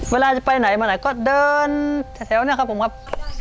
เวลาจะไปไหนมาไหนก็เดินแถวเนี่ยครับผมครับ